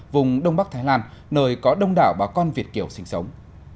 vùng đông bắc thái lan nơi có đông đảo bà con việt kiều sinh sống